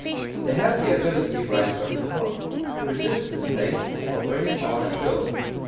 "They have the ability," writes Dr. COCKE, "to resist this state or bring it on at will.